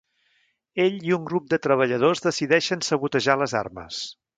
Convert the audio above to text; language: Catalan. Ell i un grup de treballadors decideixen sabotejar les armes.